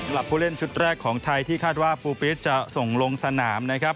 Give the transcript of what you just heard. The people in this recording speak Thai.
ผู้เล่นชุดแรกของไทยที่คาดว่าปูปิ๊สจะส่งลงสนามนะครับ